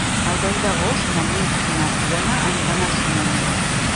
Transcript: El deu d'agost na Nit i na Fiona aniran al cinema.